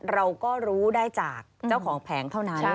เราก็รู้ได้จากเจ้าของแผงเท่านั้น